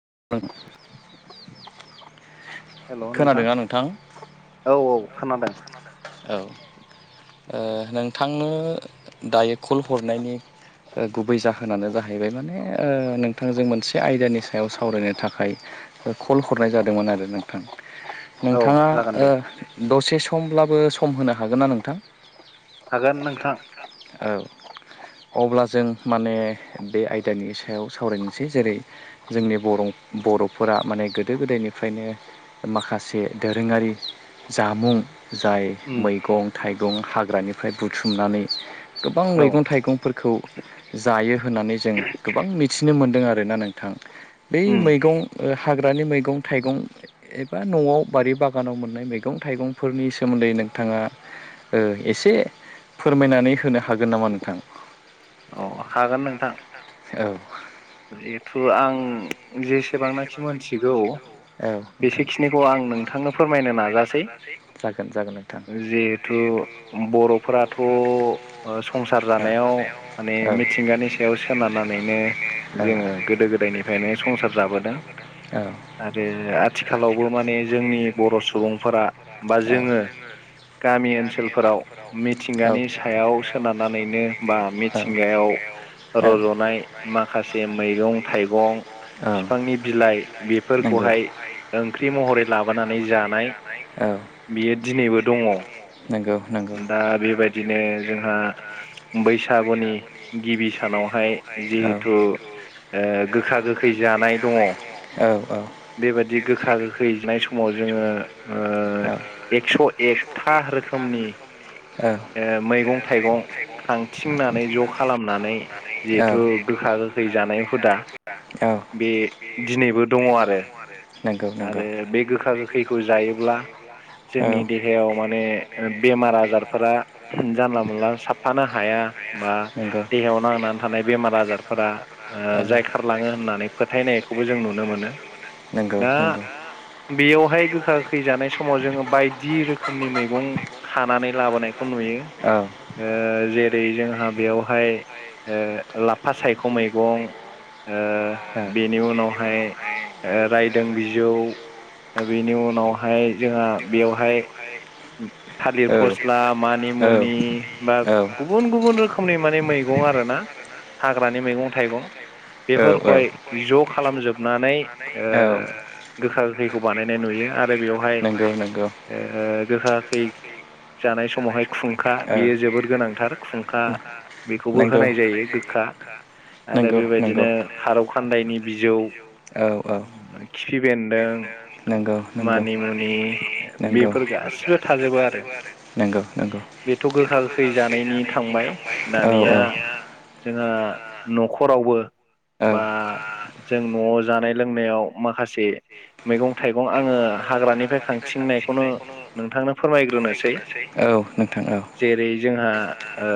[unintelligible] हेल' नोंथां औ औ खोनादों ओ नोंथांनो दायो कल हरनायनि ओ गुबै जाहोनानो जाहैबाय माने ओ नोंथांजों मोनसे आयदानि सायाव सावरायनो थाखाय ओ कल हरनाय जादोंमोन आरो नोंथां नोंथाङा ओ दसे समब्लाबो सम होनो हागोन ना नोंथां? हागोन नोंथां। [inaudible] अब्ला जों माने बे आयदानि सायाव सावरायनोसै जेरै जोंनि बर' बर'फोरा माने गोदो गोदायनिफ्रायनो माखासे दोरोङारि जामुं जाय मैगं थाइगं हाग्रानिफ्राय बुथुमनानै गोबां मैगं थाइगंफोरखौ जायो होननानै जों गोबां मिथि थिनो मोनदों आरोना नोंथां बै मैगं ओ हाग्रानि मैगं थाइगं एबा न'आव बारि बागानाव मोननाय मैगं थाइगंफोरनि सोमोन्दै नों थाङा ओ एसे फोरमायनानै होनो हा हागोन नामा नोंथां औ जिहेथु आं जेसेबांनाखि मोनथिगौ औ नोंथां बेखिनिखौ आं नोंथांनो फोरमायनो नाजासै जागोन जागोन नोंथां ओ बर'फोराथ' ओ संसार जानायाव माने मिथिंगानि सायाव सोनारनानैनो जोङो गोदो गोदायनिफ्रायनो संसार जाबोदों आरो आथिखालावबो माने जोंनि बर' सुबुंफोरा औ जोङो गामि ओनसोलफोराव मिथिंगानि सायाव सोनारनानैनो बा मिथिंगायाव रज'नाय माखासे मैगं थाइगं बिफांनि बिलाइ बेफोर फोरखौहाय ओंख्रि महरै लाबोनानै जानाय बियो दिनैबो दङ दा बेबायदिनो जोंहा बै सागुनि गिबि सानावहाय जे थु ओ गोखा गोखै जानाय दङ बेबादि गोखा गोखैजानाय समाव जोंङो ओ एक्स' एक था था रोखोमनि ओ मैगं थाइगं खांथिंनानै ज' खालामनानै जिहेथु गोखा गोखै जानाय हुदा बे दिनैबो दंङ आरो आरो बे गोखा गोखैखौ जायोब्ला जोंनि देहायाव माने बेमार आजारफोरा जानला मोनला साबफानो हाया। बा देहायाव नांनानै थानाय बेमार आजारफोरा ओ जायखारलाङो होननानै फोथायनाय खौबो जों नुनो मोनो। नंगौ बेयावहाय गोखा गोखैजानाय समाव जोंङो बायदि रोखोमनि मैगं खानानै लाबोनायखौ नुयो ओ जे जेरै जोंहा बेयावहाय ओ लाफा सायख' मैगं ओ बेनि उनावहाय ओ राय जौ बेनि उनावहाय जोंहा बेवहाय [unintelligible] थालिर फस्ला मानि मुनि बा गुबुन गुबुन रोखोमनि माने मैगं आ आरोना हाग्रानि मैगं थाइगं बेफोरखौहाय ज' खालामजोबनानै ओ नंगौ नंगौ ओ नंगौ [unintelligible] आरो बेबायदिनो खारौ खान्दायनि बिजौ बेन्दों मानि मुनि‌ बेफोर गासिबो थाजोबो आरो। बेथ' गोखा गोखै जानायनि थांबाय दानिया जोंहा न'खराव बो बा जों'न'आव जानाय लोंनायाव माखा से मैगं थाइगं आंङो हाग्रानिफ्राय खांथिंनायखौनो नोंथांनो फोरमायग्रोनोसै। औ जेरै जोंहा ओ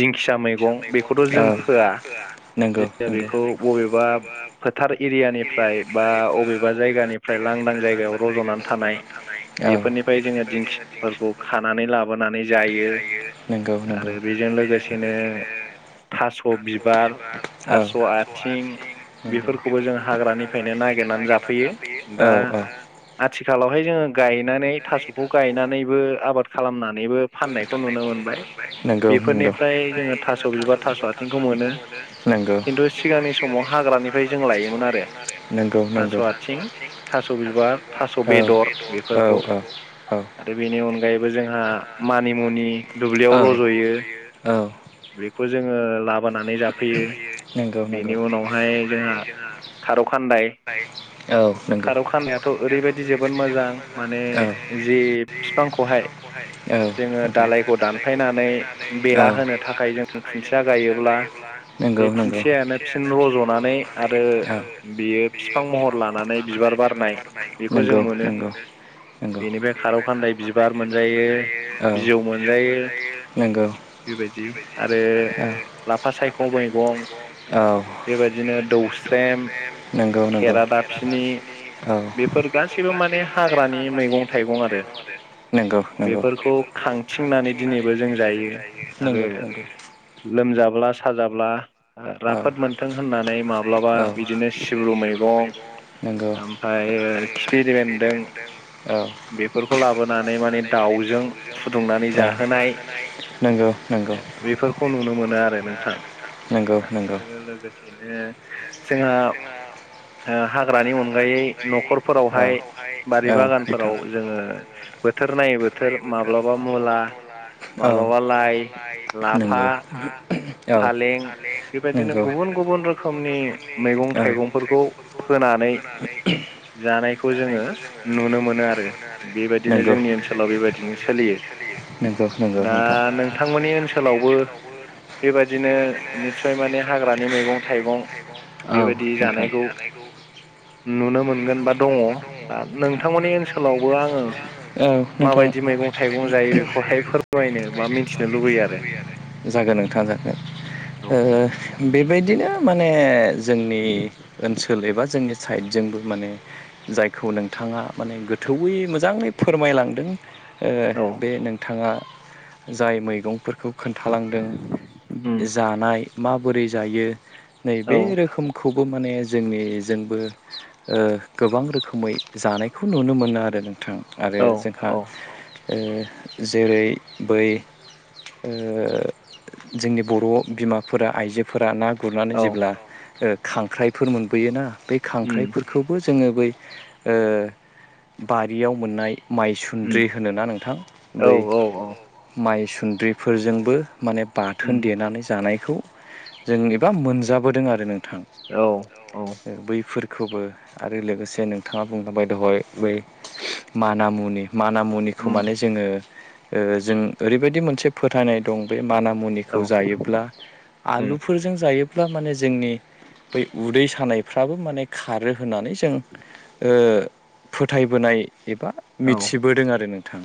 दिंखि या मैगं बेखौथ' जों फोआ जों बेखौ बबेबा फोथार एरियानि फ्राय बा अबेबा जायगानिफ्राय लांदां जायगायाव रज'नानै थानाय बेफोरनिफ्राय जोंङो दिंखिफोरखौ खानानै लाबोनानै जायो आरो बेजों लोगोसेनो लोगोसेनो औ हाग्रानिफ्रायनो नागेरनानै जाफैयो दा आथिखालावहाय जोंङो गा यनानै थास'खौ गायनानैबो आबाद खालामना नोंगौ नोंगौ नोंगौ नोंगौ नोंगौ औ औ औ औ औ मानिमुनि दुब्लियाव रज'यो बेखौ जोंङो ला बोनानै जाफैयो बेनि उनावहाय जोंहा खारौ खान्दाय खारौ खानायाथ' ओरैबायदि जोबोद मोजां माने जि फिफां खौहाय औ नोंथां औ [unintelligible] नोंगौ नोंगौ [unintelligible] [unintelligible] नोंगौ नोंगौ। नंगौ [inaudible] औ [unintelligible] नंगौ। बेबायदि आरो [inaudible] औ [inaudible] नोंगौ नोंगौ। औ [inaudible] नोंगौ नोंगौ। [inaudible] नोंगौ नोंगौ। लोमजाब्ला साजाब्ला राफोद मोनथों होननानै माब्लाबा बिदिनो सिब्रु मैगं, ओमफ्राय खिफिदि बेन्दों बेफोरखौ लाबोनानै माने दाउजों फुदुंनानै जाहोनाय [inaudible] बेफोरखौ नुनो मोनो आरो नोंथां। नोंगौ। आरो लोगोसेनो जोंहा ओ हाग्रानि अनगायै न'खरफोरावहाय बारि बागानफोराव जोङो बोथोर नायै बोथोर माब्लाबा मुला माब्लाबा लाइ लाफा फालें बेबायदिनो गुबुन गुबुन रोखोमनि मैगं थाइगंफोरखौ फोनानै जानायखौ जोङो नुनो मोनो आरो बेबायदिनो जोंनि ओनसोलाव बेबायदिनो सोलियो। दा नोंथांमोननि ओनसोलावबो बेबायादिनो निस्सय माने हाग्रानि मैगं थाइगं औ [unintelligible] नुनो मोनगोन बा दङ दा नोंथांमोननि ओनसोलावबो आङो माबायदि मैगं थाइगं जायो बेखौहाय फोरमायनो बा मिथिनो लुबैयो आरो जागोन नोंथां जागोन ओ बेबायदिनो माने जोंनि ओनसोल एबा जोंनि साइडजोंबो माने जायखौ नोंथाङा माने गोथौवै मोजाङै फोरमायलांदों ओ बे नोंथाङा जाय मैगंफोरखौ खोन्थालांदों जानाय माबोरै जायो नैबे रोखोमखौ खौबो माने जोंनिजोंबो ओ गोबां रोखोमै जानायखौ नुनो मोनो आरो नोंथां। आरो जोंहा ओ जेरै बै ओ जोंनि बर' बिमाफोरा आइजोफोरा ना गुरनानै जेब्ला खांख्राइफोर मोनबोयोना बे खांख्राइफोरखौबो जोङो ब ओ बारियाव मोननाय माइसुन्द्रि होनोना नोंथां बै माइसुन्द्रिफोरजोंबो माने बाथोन देनानै जानायखौ जों एबा मोनजाबोदों आरो नों थां बैफोर खौबो आरो लोगोसे नोंथाङा बुंलांबाय दहाय बै मानामुनि मानामुनिखौ माने जोङो ओ जों ओरैबायदि मोनसे फोथायनाय दं बे माना मुनिखौ जायोब्ला आलुफोरजों जायोब्ला माने जोंनि बै उदै सानायफ्राबो माने खारो होननानै जों ओ फोथायबोनाय एबा मिथिबोदों आरो नोंथां।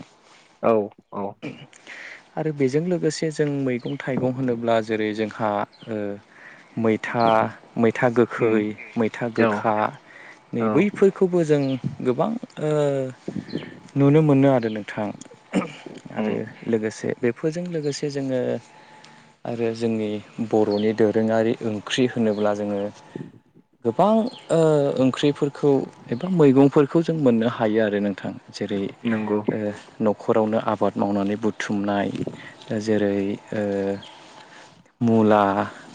आरो बेजों लोगोसे जों मैगं थाइगं होनोब्ला जेरै जोंहा ओ मैथा मैथा गोखै मैथा गोखा नै बैफोरखौबो जों गोबां ओ नुनो मोनो आरो नोंथां आरो लोगोसे बेफोरजों लोगोसे जोङो आरो जोंनि बर'नि दोरोङारि ओंख्रि होनोब्ला जोङो गोबां ओ ओंख्रिफोरखौ एबा मैगंफोरखौ जों मोननो हायो आरो नोंथां। जेरै ओ न खरावनो आबाद मावनानै बुथुमनाय जेरै- ओ मुला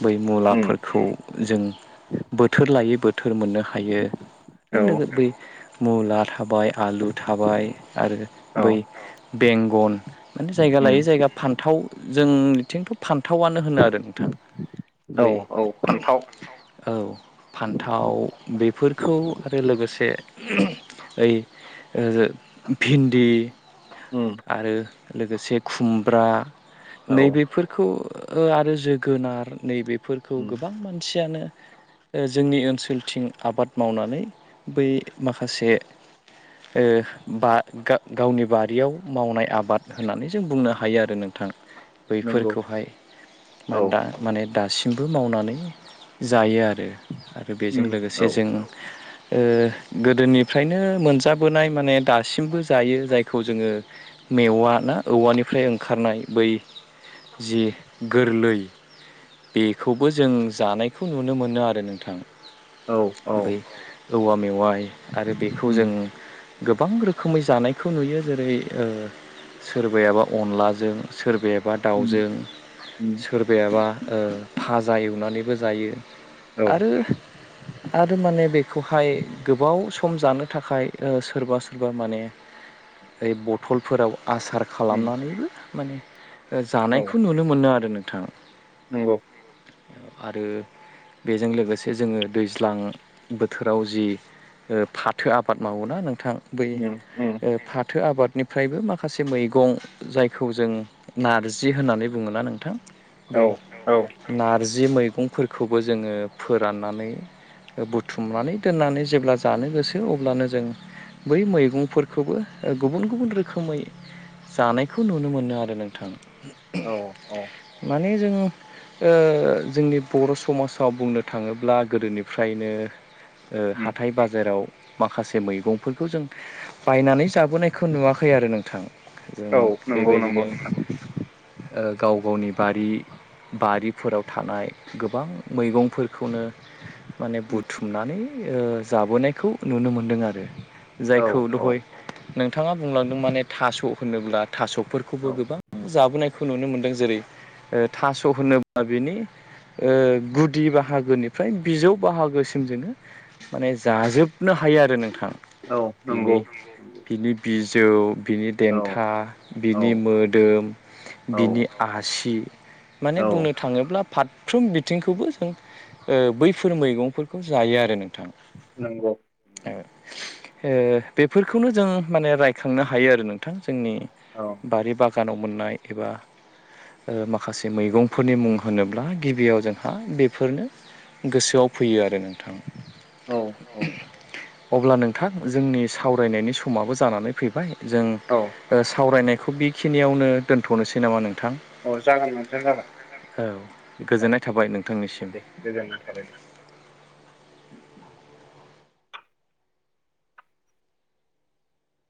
बै मुलाफोरखौ जों बोथोर लायै बो थोर मोननो हायो बा मुला थाबाय आलु थाबाय आरो बै बेंगन माने जायगा लायै जायगा फान्थाव जोंनिथिंथ' फान्थावनो होनो आरो नोंथां। औ औ फान्थाव। औ फान्थाव बेफोरखौ आरो लोगोसे [unintelligible] ओइ भिन्दि आरो लोगोसे खुमब्रा नैबेफोरखौ आरो जोगोनार नैबे फोरखौ गोबां मानसियानो जोंनि ओनसोलथिं आबाद मावनानै बै माखासे ओ बा गावनि बारियाव मावनाय आबाद होननानै जों बुंनो हायो आरो नोंथां बैफोरखौहाय दा माने दासिम बो मावनानै जायो आरो ।आरो बेजों लोगोसे जों ओ गोदोनिफ्रायनो मोनजाबोनाय माने दासिमबो जायो जायखौ जोङो मेवा ना औवानिफ्राय ओंखारनाय बै जि गोरलै बेखौबो जों जानायखौ नुनो मोनो आरो नोंथां। बै औवा मेवाइ आरो बेखौ जों गोबां रोखोमै जानायखौ नुयो जेरै सोरबायाबा अनलाजों सोरबाया बा दाउजों सोरबायाबा ओ फाजा एवनानैबो जायो। आरो आरो माने बेखौहाय गोबाव सम जानो थाखाय ओ सोरबा सोरबा माने बै ब बटलफोराव आसार खालामनानैबो माने जानायखौ नुनो मोनो आरो नों थां। नंगौ। आरो बेजों लोगोसे जोङो दैज्लां बोथोराव जि ओ फाथो आबाद मावोना नोंथां बै फाथो आबादनि फ्रायबो माखासे मैगं जायखौ जों नारजि होननानै बुङोना नोंथां! बै नारजि मैगंफोरखौबो जोङो फोराननानै बुथुमनानै दोननानै जेब्ला जानो गोसो अब्लानो जों बै मैगंफोरखौबो गुबुन गुबुन रो रोखोमै जानायखौ नुनो मोनो आरो नोंथां माने जोङो। ओ जोंनि बर' समाजाव बुंनो थाङोब्ला गोदोनिफ्रायनो ओ हाथाय बाजाराव माखासे मैगंफोरखौ जों बायनानै जाबोनायखौ नुवा खै आरो नोंथां ।जों बेबायदिनो ओ गाव गावनि बारि बारिफोराव थानाय गोबां मैगंफोरखौनो - माने बुथुमनानै ओ जाबोनायखौ नुनो मोनदों आरो जायखौ दहाय नोंथाङा बुंलांदों माने थास' होनोब्ला थास'फोरखौबो गोबां जाबोनायखौ नुनो मोनदों जेरै ओ थास' होनोब्ला बिनि ओ गुदि बाहागोनिफ्राय बिजौ बाहागोसिम जोङो माने जाजोबनो हायो आरो नोंथां बिनि बिनि बिजौ बिनि देन्था बिनि मोदोम बिनि आसि माने बुंनो थाङोब्ला फारफ्रोम बिथिंखौबो जों बैफोर मैगंफोरखौ जायो आरो नों ओ बेफोरखौनो जों माने रायखांनो हायो आरो नोंथां जोंनि बारि बागानाव मोननाय एबा माखासे मैगंफोरनि मुं होनोब्ला गिबियाव जोंहा बेफोरनो गोसोआव फैयो आरो नोंथां अब्ला नोंथां जोंनि सावरायनायनि समाबो जानानै फैबाय जों सावरायनायखौ बेखिनियावनो दोनथ'नोसै नामा नों अ जागोन नोंथां जागोन। औ गोजोननाय थाबाय नोंथांनिसिम ।